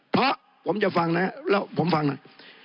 เพราะผมจะฟังนะแล้วผมฟังนะ